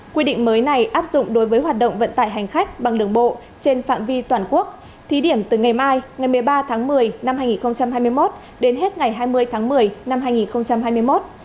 quy định mới này áp dụng đối với hoạt động vận tải hành khách bằng đường bộ trên phạm vi toàn quốc thí điểm từ ngày mai ngày một mươi ba tháng một mươi năm hai nghìn hai mươi một đến hết ngày hai mươi tháng một mươi năm hai nghìn hai mươi một